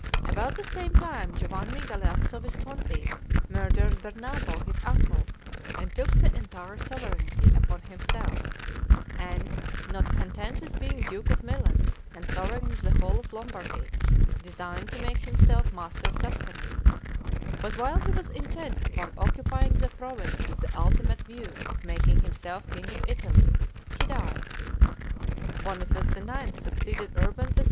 About the same time Giovanni Galeazzo Visconti murdered Bernabo his uncle and took the entire sovereignty upon himself; and, not content with being duke of Milan and sovereign of the whole of Lombardy, designed to make himself master of Tuscany; but while he was intent upon occupying the province with the ultimate view of making himself king of Italy, he died. Boniface IX. succeeded Urban VI.